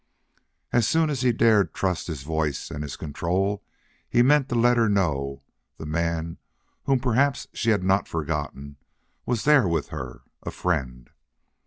As soon as he dared trust his voice and his control he meant to let her know the man whom perhaps she had not forgotten was there with her, a friend.